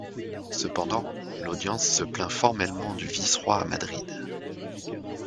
Cependant, l'audience se plaint formellement du vice-roi à Madrid.